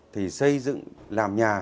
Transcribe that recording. thì xây dựng làm nhà